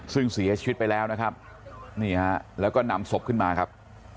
ซึ่งเสียชีวิตไปแล้วนะครับนี่ฮะแล้วก็นำศพขึ้นมาครับ